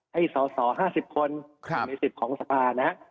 ให้สอสอ๕๐คนหนึ่งในสิจกินของศภารนะครับ